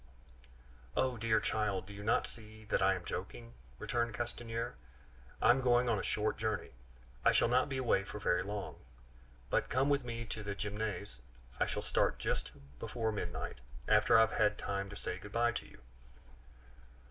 "Oh! dear child, do you not see that I am joking?" returned Castanier. "I am going on a short journey; I shall not be away for very long. But come with me to the Gymnase; I shall start just before midnight, after I have had time to say good by to you."